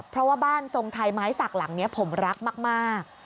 เพราะว่าบ้านทรงไทยไม้สักหลังนี้ผมรักมาก